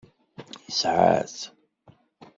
Yesɛa-t.